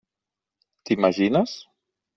T'imagines?